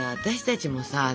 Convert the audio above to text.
私たちもさ